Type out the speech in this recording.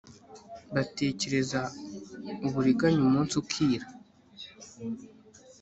batekereza uburiganya umunsi ukira